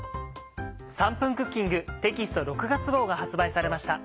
『３分クッキング』テキスト６月号が発売されました。